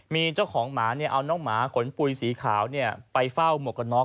มีเจ้าของหมาเอาน้องหมาขนปุ๋ยสีขาวไปเฝ้าหมวกกันน็อก